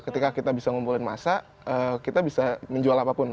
ketika kita bisa ngumpulin masa kita bisa menjual apapun